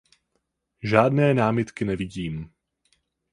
Žádné námitky nevidím.